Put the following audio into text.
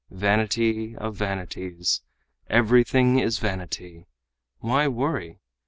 Vanity of vanities, everything is vanity! Why worry?